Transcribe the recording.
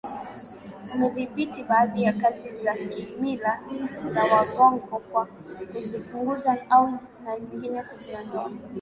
umedhibiti baadhi ya kazi za Kimila za Waghongo kwa kuzipunguza au na nyingine kuziondoa